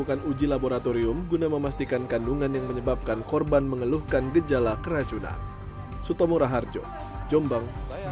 mereka juga telah melakukan uji laboratorium guna memastikan kandungan yang menyebabkan korban mengeluhkan gejala keracunan